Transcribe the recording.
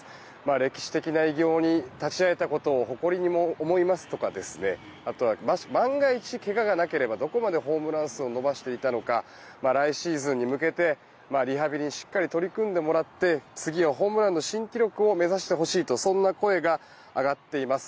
歴史的な偉業に立ち会えたことを誇りに思いますとかあとは万が一、怪我がなければどこまでホームラン数を伸ばしていたのか来シーズンに向けて、リハビリにしっかり取り組んでもらって次はホームランの新記録を目指してほしいとそんな声が上がっています。